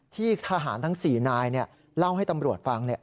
ที่ทหารทั้ง๔นายเล่าให้ตำรวจฟัง